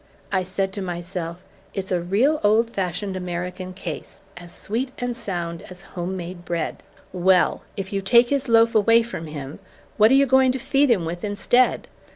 I said to myself: 'It's a real old fashioned American case, as sweet and sound as home made bread.' Well, if you take his loaf away from him, what are you going to feed him with instead?